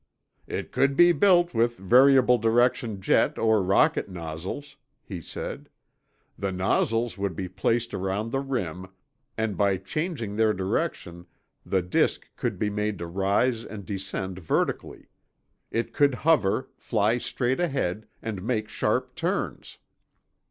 "It could be built with variable direction jet or rocket nozzles," be said. "The nozzles would be placed around the rim, and by changing their direction the disk could be made to rise and descend vertically. It could hover, fly straight ahead, and make sharp turns.